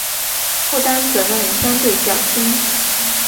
负担责任相对较轻